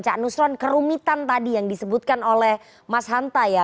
canusron kerumitan tadi yang disebutkan oleh mas hanta ya